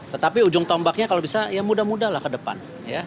tetapi ujung tombaknya kalau bisa ya mudah mudah lah ke depan